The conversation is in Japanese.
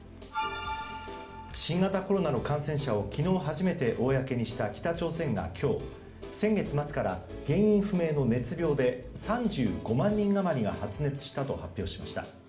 新型コロナの感染者を昨日初めて公にした北朝鮮が今日先月末から原因不明の熱病で３５万人余りが発熱したと発表しました。